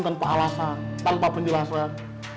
tanpa alasan tanpa penjelasan